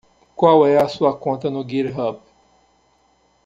Qual é a sua conta do Github?